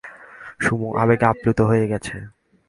Sumo আবেগে আপ্লুত হয়ে গেছে।